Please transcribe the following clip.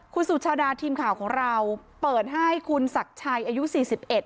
คุณสุชาดาทีมข่าวของเราเปิดให้คุณศักดิ์ชัยอายุสี่สิบเอ็ด